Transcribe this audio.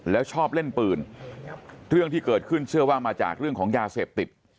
แล้วชอบเล่นปืนเรื่องที่เกิดขึ้นเชื่อว่ามาจากเรื่องของยาเสพติด